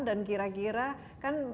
dan kira kira kan